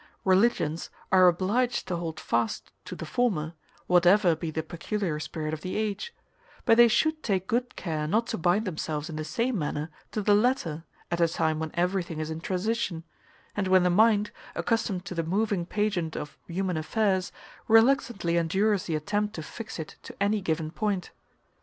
Religions are obliged to hold fast to the former, whatever be the peculiar spirit of the age; but they should take good care not to bind themselves in the same manner to the latter at a time when everything is in transition, and when the mind, accustomed to the moving pageant of human affairs, reluctantly endures the attempt to fix it to any given point.